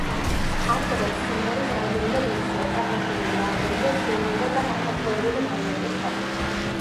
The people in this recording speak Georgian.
არსებობს სიმღერის რამდენიმე ვერსია, წარმოდგენილი ალბომზე, სინგლზე და გაფართოებული ვარიანტის სახით.